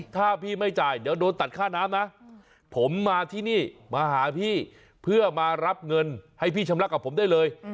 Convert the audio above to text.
ถ้าพี่ไม่จ่ายเดี๋ยวโดนตัดค่าน้ำนะผมมาที่นี่มาหาพี่เพื่อมารับเงินให้พี่ชำระกับผมได้เลย